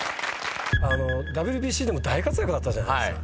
ＷＢＣでも大活躍だったじゃないですか。